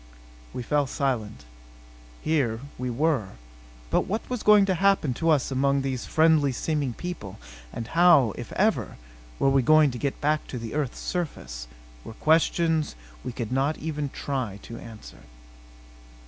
We fell silent. Here we were. But what was going to happen to us among these friendly seeming people; and how if ever we were going to get back to the earth's surface, were questions we could not even try to answer.